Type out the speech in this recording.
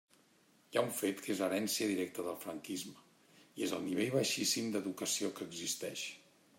Hi ha un fet que és herència directa del franquisme, i és el nivell baixíssim d'educació que existeix.